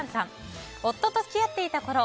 夫と付き合っていたころ